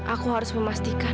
aku harus memastikan